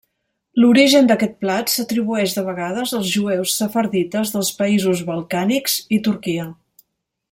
L'origen d'aquest plat s'atribueix de vegades als jueus sefardites dels països balcànics i Turquia.